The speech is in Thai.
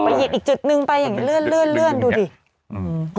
มาหยิบอีกจุดนึงไปอย่างเงี้ยเลื่อนดูดิอือ